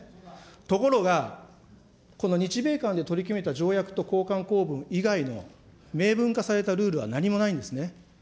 ところが、この日米間で取り決めた条約とこうかん公文以外の明文化されたルールは何もないんですね。